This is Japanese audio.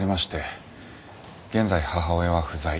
現在母親は不在。